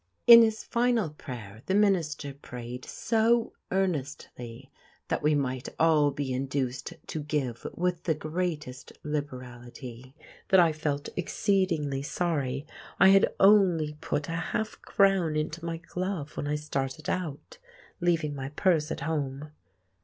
In his final prayer the minister prayed so earnestly that we might all be induced to give with the greatest liberality, that I felt exceedingly sorry I had only put a half crown into my glove when I started out, leaving my purse at home.